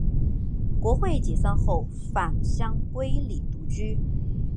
国会解散后返乡归里独居。